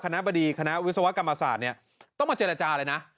บดีคณะวิศวกรรมศาสตร์เนี่ยต้องมาเจรจาเลยนะ